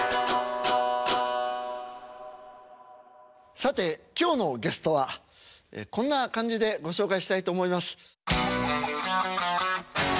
さて今日のゲストはこんな感じでご紹介したいと思います。